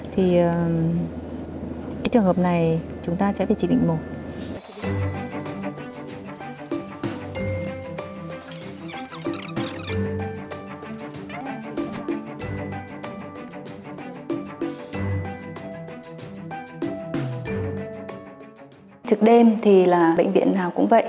trực đêm thì là bệnh viện nào cũng vậy